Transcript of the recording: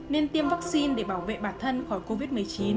nên tiêm vaccine để bảo vệ bản thân khỏi covid một mươi chín